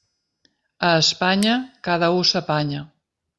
A Espanya, cada u s'apanya.